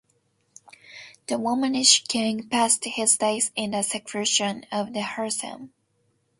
The womanish king passed his days in the seclusion of the harem.